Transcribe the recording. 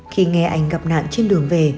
khi nghe anh gặp nạn trên đường về